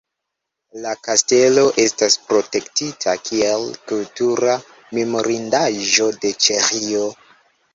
La kastelo estas protektita kiel kultura memorindaĵo de Ĉeĥio.